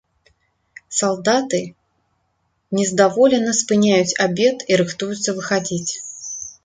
Салдаты нездаволена спыняюць абед і рыхтуюцца выхадзіць.